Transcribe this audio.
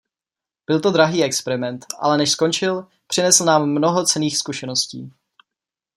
Byl to drahý experiment, ale než skončil, přinesl nám mnoho cenných zkušeností.